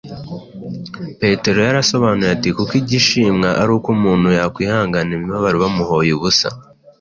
petero yarasobanuye ati: “kuko igishimwa ari uko umuntu yakwihanganira imibabaro bamuhoye ubusa,